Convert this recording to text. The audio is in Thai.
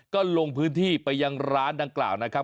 ก็ลงพื้นที่ไปยังร้านดังกล่าวนะครับ